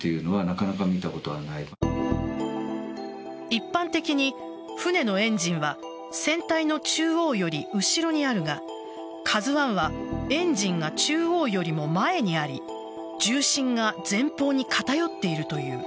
一般的に船のエンジンは船体の中央より後ろにあるが「ＫＡＺＵ１」はエンジンが中央よりも前にあり重心が前方に偏っているという。